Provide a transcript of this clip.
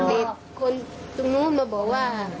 มีคนมีค่ะมีคนมาบอกว่า